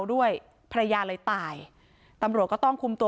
ไปโบกรถจักรยานยนต์ของชาวอายุขวบกว่าเองนะคะ